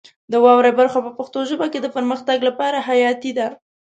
د واورئ برخه په پښتو ژبه کې د پرمختګ لپاره حیاتي ده.